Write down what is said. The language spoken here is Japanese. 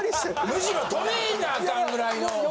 むしろ止めなアカンぐらいの。